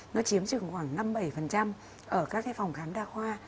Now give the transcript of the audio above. nó chiếm trường khoảng năm bảy ở các cái phòng khám đa khoa